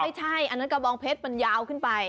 อันนั้นกระบองเพชรมันยาวขึ้นไป